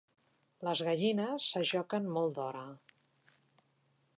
Les gallines s'ajoquen molt d'hora.